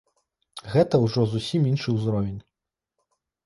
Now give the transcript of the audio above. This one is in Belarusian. Гэта ўжо зусім іншы ўзровень.